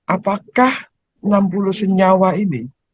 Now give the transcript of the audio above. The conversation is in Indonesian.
apakah enam puluh senyawa ini